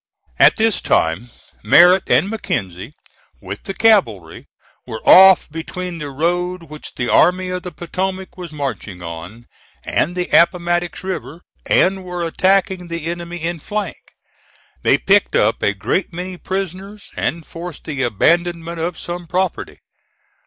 At this time Merritt and Mackenzie, with the cavalry, were off between the road which the Army of the Potomac was marching on and the Appomattox River, and were attacking the enemy in flank. They picked up a great many prisoners and forced the abandonment of some property.